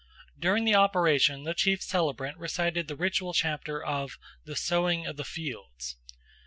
During the operation the chief celebrant recited the ritual chapter of "the sowing of the fields."